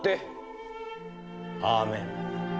アーメン。